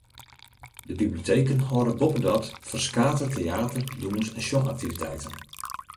De biblioteken hâlde boppedat ferskate teäter-, dûns- en sjongaktiviteiten.